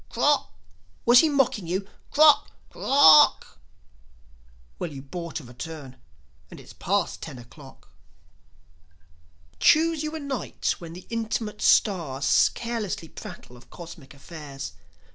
"Krock!" Was he mocking you? "Krock! Kor r rock!" Well, you bought a return, and it's past ten o'clock. Choose you a night when the intimate stars Carelessly prattle of cosmic affairs.